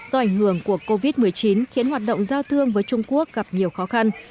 do ảnh hưởng của covid một mươi chín khiến hoạt động giao thương với trung quốc gặp nhiều khó khăn